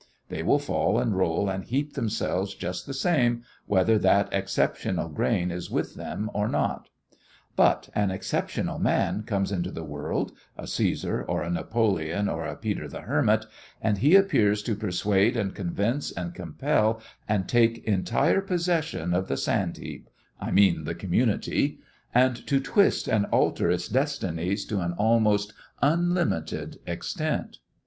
They will fall and roll and heap themselves just the same whether that exceptional grain is with them or not; but an exceptional man comes into the world, a Cæsar or a Napoleon or a Peter the Hermit, and he appears to persuade and convince and compel and take entire possession of the sand heap I mean the community and to twist and alter its destinies to an almost unlimited extent.